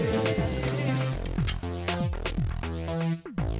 lo bisa saran aja